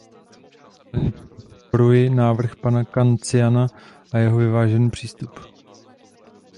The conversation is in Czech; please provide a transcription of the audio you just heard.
Plně proto podporuji návrh pana Canciana a jeho vyvážený přístup.